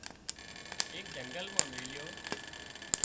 ايڪ جنگل مان ميليو